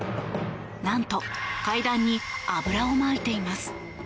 なんと階段に油をまいています。